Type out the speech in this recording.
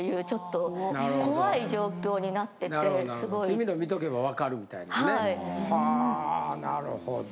君の見とけばわかるみたいなね。はなるほど。